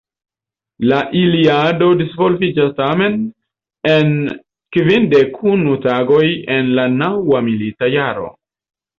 La Iliado disvolviĝas tamen en kvindek unu tagoj en la naŭa milita jaro.